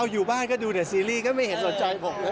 อยู่บ้านก็ดูแต่ซีรีส์ก็ไม่เห็นสนใจผม